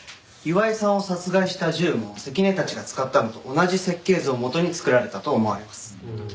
岩井さんを殺害した銃も関根たちが使ったのと同じ設計図を元に作られたと思われます。